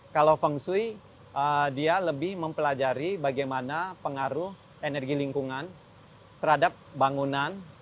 kalau feng shui dia lebih mempelajari bagaimana pengaruh energi lingkungan terhadap bangunan